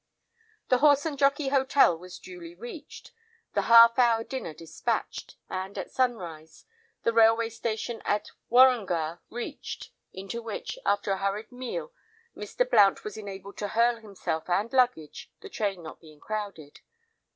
The Horse and Jockey Hotel was duly reached, the half hour dinner despatched, and, at sunrise, the railway station at Warongah reached, into which, after a hurried meal, Mr. Blount was enabled to hurl himself and luggage, the train not being crowded.